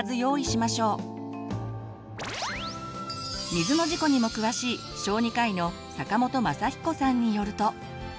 水の事故にも詳しい小児科医の坂本昌彦さんによると。